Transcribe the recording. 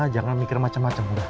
jangan mikir macem macem